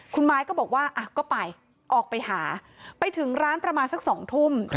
คุณไม้ก็บอกว่าก็ไปออกไปหาไปถึงร้านประมาณสัก๒ทุ่ม